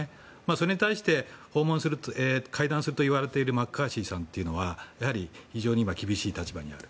それに対して会談するといわれているマッカーシーさんは非常に今、厳しい立場にある。